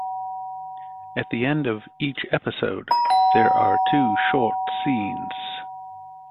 At the end of each episode, there are two short scenes.